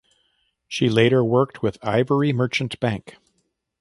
She later worked with Ivory Merchant Bank.